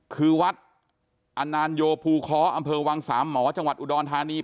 คือวัดอนานโยภูค้ออำเภอวังสามหมอจังหวัดอุดรธานี